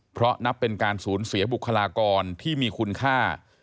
เพราะนับเป็นการสูญเสียบุคลากรที่มีคุณค่า